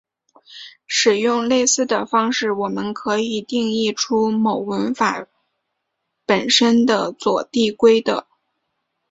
使用类似的方式我们可以定义出某文法本身是左递归的。